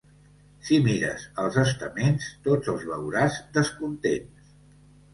Si mires els estaments, tots els veuràs descontents.